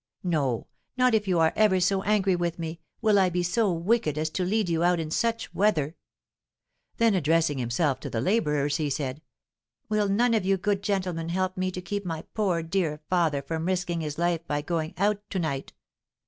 No, not if you are ever so angry with me, will I be so wicked as to lead you out in such weather." Then, addressing himself to the labourers, he said, "Will none of you good gentlemen help me to keep my poor dear father from risking his life by going out to night?"